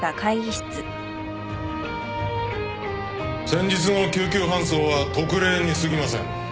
先日の救急搬送は特例にすぎません。